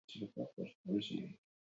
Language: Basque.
Beste bederatzi auto ere kaltetu dira.